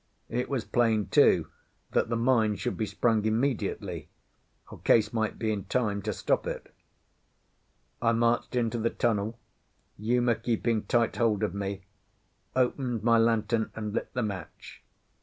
It was plain, too, that the mine should be sprung immediately, or Case might be in time to stop it. I marched into the tunnel, Uma keeping tight hold of me, opened my lantern and lit the match.